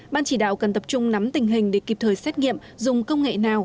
ban chỉ đạo cần tập trung nắm tình hình để kịp thời xét nghiệm dùng công nghệ nào